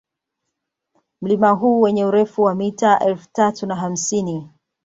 Mlima huu wenye urefu wa mita elfu tatu na hamsini